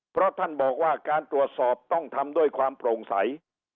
เพราะท่านบอกว่าการตรวจสอบต้องทำด้วยความโปร่งใส